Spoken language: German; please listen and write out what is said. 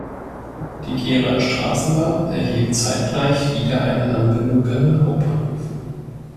Die Geraer Straßenbahn erhielt zeitgleich wieder eine Anbindung an den Hauptbahnhof.